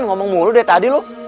ngomong mulu deh tadi loh